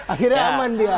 akhirnya aman dia